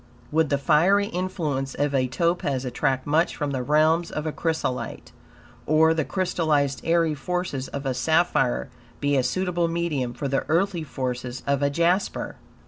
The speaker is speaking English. Would the fiery influence of a topaz attract much from the realms of a chrysolite? Or, the crystallized, airy forces of a sapphire be a suitable medium for the earthly forces of a jasper?